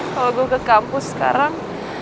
kalau gue ke kampus sekarang